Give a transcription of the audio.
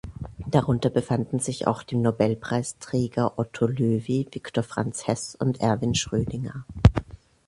Darunter befanden sich auch die Nobelpreisträger Otto Loewi, Victor Franz Hess und Erwin Schrödinger.